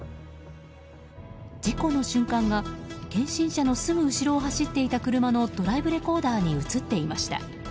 事故の瞬間が検診車のすぐ後ろを走っていた車のドライブレコーダーに映っていました。